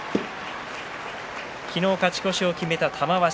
昨日、勝ち越しを決めた玉鷲。